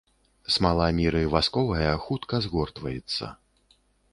Смала міры васковая, хутка згортваецца.